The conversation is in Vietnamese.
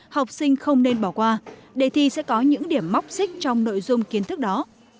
học sinh không nên bỏ qua đề thi sẽ có những điểm móc xích trong nội dung kiến thức đó